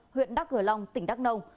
huyện đắc hờ long tỉnh đắc nông